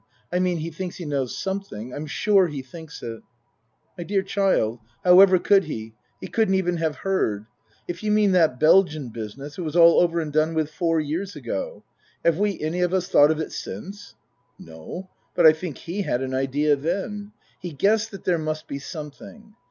I mean he thinks he knows something. I 'm sure he thinks it ."" My dear child, however could he ? He couldn't even have heard. If you mean that Belgian business, it was all over and done with four years ago. Have we any of us thought of it since ?"" No but I think he had an idea then. He guessed that there must be something.